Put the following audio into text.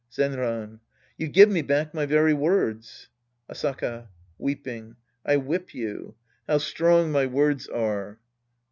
Zenran. You give me back my very words ! Asaka {peeping'). I whip you. How strong my words are